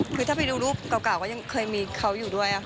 คือถ้าไปดูรูปเก่าก็ยังเคยมีเขาอยู่ด้วยค่ะ